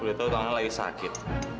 udah tau tangannya lagi sakit